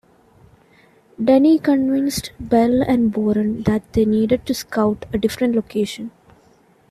Denny convinced Bell and Boren that they needed to scout a different location.